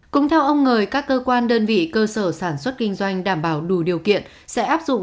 cũng theo ông ngời các cơ quan đơn vị cơ sở sản xuất kinh doanh đảm bảo đủ điều kiện sẽ áp dụng